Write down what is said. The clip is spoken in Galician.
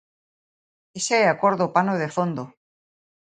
Esa é a cor do pano de fondo.